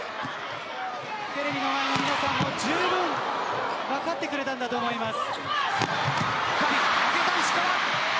テレビの前の皆さんもじゅうぶん分かってくれたと思います。